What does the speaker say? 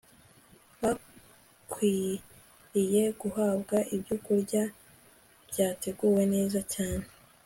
bakwiriye guhabwa ibyokurya byateguwe neza cyane